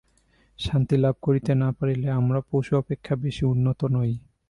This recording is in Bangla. শান্তি লাভ করিতে না পারিলে আমরা পশু অপেক্ষা বেশী উন্নত নই।